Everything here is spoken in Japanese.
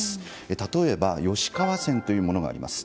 例えば、吉川線というものがあります。